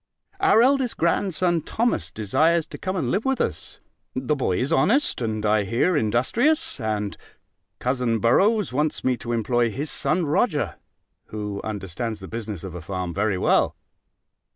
Our eldest grandson Thomas desires to come and live with us: the boy is honest, and, I hear, industrious. And cousin Borroughs wants me to employ his son Roger, who understands the business of a farm very well.